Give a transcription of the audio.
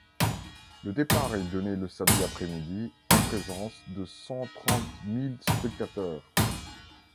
Le départ est donné le samedi après-midi, en présence de cent trente mille spectateurs.